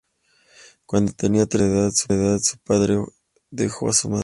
Cuando tenía tres años de edad, su padre dejó a su madre.